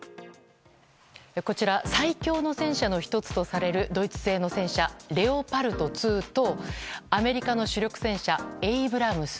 こちら最強の戦車の１つとされるドイツ製の戦車レオパルト２とアメリカの主力戦車エイブラムス。